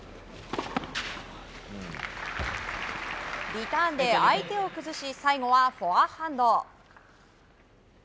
リターンで相手を崩し最後はフォアハンド。